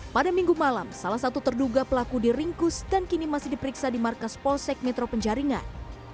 pada minggu malam salah satu terduga pelaku diringkus dan kini masih diperiksa di markas polsek metro penjaringan